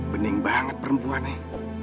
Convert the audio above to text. pening banget perempuan nih